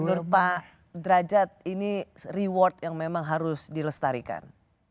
menurut pak derajat ini reward yang memang harus dilestarikan